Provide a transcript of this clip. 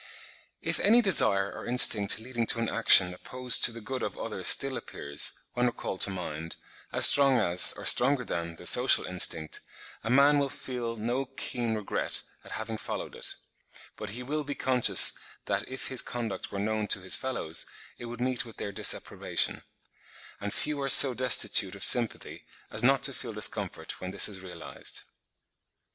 If any desire or instinct leading to an action opposed to the good of others still appears, when recalled to mind, as strong as, or stronger than, the social instinct, a man will feel no keen regret at having followed it; but he will be conscious that if his conduct were known to his fellows, it would meet with their disapprobation; and few are so destitute of sympathy as not to feel discomfort when this is realised.